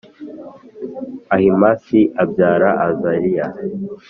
Ahimasi abyara Azariya